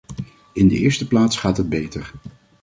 In de eerste plaats gaat het beter.